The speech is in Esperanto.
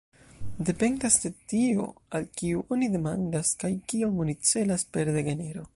Dependas de tio, al kiu oni demandas kaj kion oni celas per "degenero".